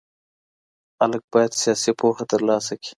خلګ بايد سياسي پوهه ترلاسه کړي.